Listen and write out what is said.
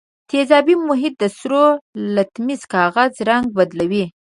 تیزابي محیط د سرو لتمس کاغذ رنګ بدلوي.